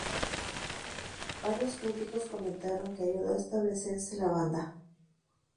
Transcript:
Varios críticos comentaron que ayudó a establecerse a la banda.